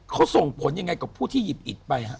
เขาส่งผลยังไงกับผู้ที่หยิบอิดไปฮะ